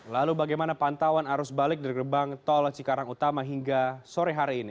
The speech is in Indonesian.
lalu bagaimana pantauan arus balik dari gerbang tol cikarang utama hingga sore hari ini